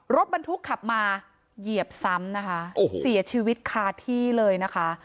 รถบรรทุกขับมาเหยียบซ้ำนะคะโอ้โหเสียชีวิตคาที่เลยนะคะ